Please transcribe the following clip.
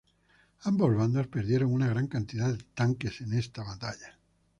Ambos bandos perdieron una gran cantidad de tanques en esta batalla.